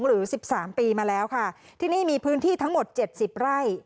หรือสิบสามปีมาแล้วค่ะที่นี่มีพื้นที่ทั้งหมดเจ็ดสิบไร่